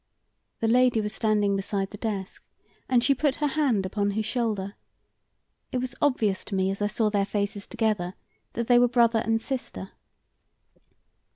The lady was standing beside the desk, and she put her hand upon his shoulder. It was obvious to me as I saw their faces together that they were brother and sister.